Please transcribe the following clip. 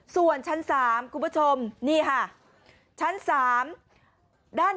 ส่วนชั้น๓ทาง๓